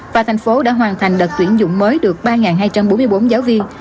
và thành phố đã hoàn thành đợt tuyển dụng mới được ba hai trăm bốn mươi bốn giáo viên